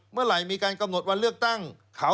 เมื่อไหร่มีการกำหนดวันเลือกตั้ง